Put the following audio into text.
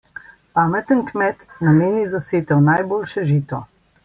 Pameten kmet nameni za setev najboljše žito.